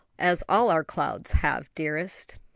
"As all our clouds have, dearest."